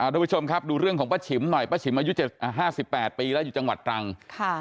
ทุกผู้ชมครับดูเรื่องของป้าฉิมหน่อยป้าฉิมอายุ๕๘ปีแล้วอยู่จังหวัดตรัง